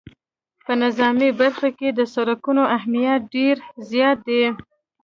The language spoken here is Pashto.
په نظامي برخه کې د سرکونو اهمیت ډېر زیات دی